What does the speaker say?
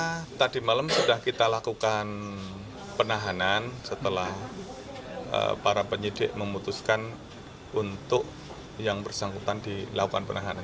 karena tadi malam sudah kita lakukan penahanan setelah para penyidik memutuskan untuk yang bersangkutan dilakukan penahanan